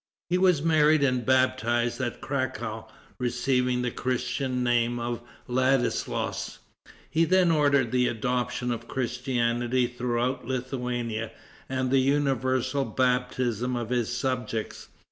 He was married and baptized at Cracow, receiving the Christian name of Ladislaus. He then ordered the adoption of Christianity throughout Lithuania, and the universal baptism of his subjects.